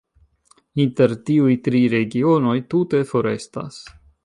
Inter tiuj tri regionoj tute forestas.